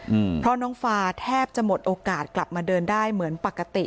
อืมเพราะน้องฟาแทบจะหมดโอกาสกลับมาเดินได้เหมือนปกติ